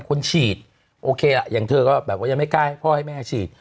คนฉีดโอเคล่ะอย่างเธอก็แบบว่ายังไม่กล้าให้พ่อให้แม่ฉีด